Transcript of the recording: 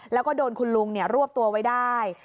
แล้วก็โดนคุณลุงรวบตัวไว้ได้